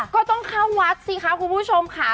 ก็ต้องเข้าวัดสิคะคุณผู้ชมค่ะ